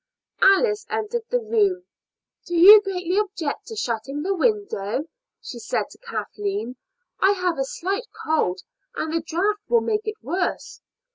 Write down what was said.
Alice entered the room. "Do you greatly object to shutting the window?" she said to Kathleen. "I have a slight cold, and the draught will make it worse."